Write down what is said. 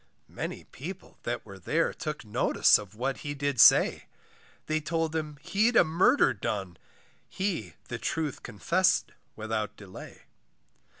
Many people that were there, Took notice of what he did say, They told him he'd a murder done, He the truth confess'd without delay.